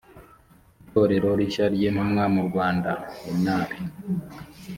itorero rishya ry intumwa mu rwanda enar